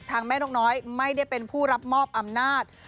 แม่นกน้อยไม่ได้เป็นผู้รับมอบอำนาจ